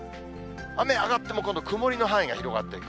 雨、上がっても、今度曇りの範囲が広がっていく。